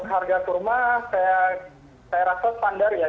harga kurma saya rasa standar ya